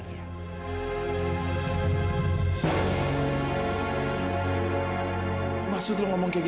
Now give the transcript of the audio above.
tapi aida kencang